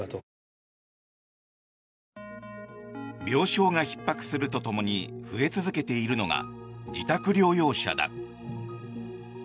病床がひっ迫するとともに増え続けているのが自宅療養者だ。